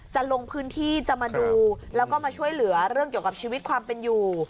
จะลงพื้นที่จะมาดูแล้วก็มาช่วยเหลือเรื่องเกี่ยวกับชีวิตความเป็นอยู่